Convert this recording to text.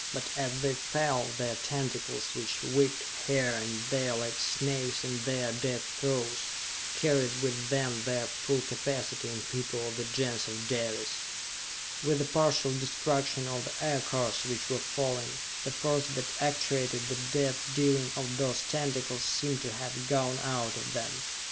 But as they fell, their tentacles, which whipped here and there like snakes in their death throes, carried with them their full capacity in people of the Gens of Dalis! With the partial destruction of the Aircars which were falling, the force that actuated the death dealing of those tentacles seemed to have gone out of them.